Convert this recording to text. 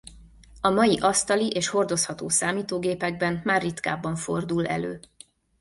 A mai asztali és hordozható számítógépekben már ritkábban fordul elő.